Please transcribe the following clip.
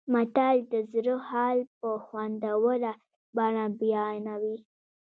متل د زړه حال په خوندوره بڼه بیانوي